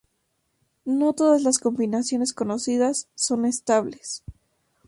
No todas las combinaciones conocidas son estables.